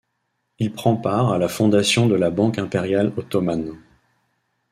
Il prend part à la fondation de la Banque impériale ottomane.